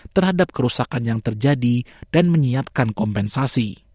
terhadap kerusakan yang terjadi dan menyiapkan kompensasi